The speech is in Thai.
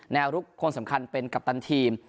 ลุกคนสำคัญเป็นกัปตันทีม